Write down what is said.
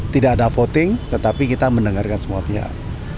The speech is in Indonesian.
tidak ada voting tetapi kita mendengarkan semua pihak